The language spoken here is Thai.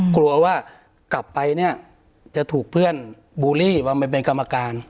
กลัวว่ากลับไปเนี่ยจะถูกเพื่อนบูลลี่มาเป็นกรรมการ